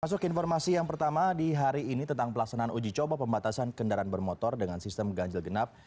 masuk ke informasi yang pertama di hari ini tentang pelaksanaan uji coba pembatasan kendaraan bermotor dengan sistem ganjil genap